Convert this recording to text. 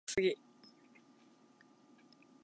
ハチが花に向かって、「もう蜜はいらない、今日はお休み」と告げた。